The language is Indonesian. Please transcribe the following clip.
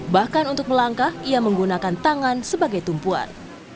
bahkan untuk melangkah ia menggunakan tangan sebagai tumpuan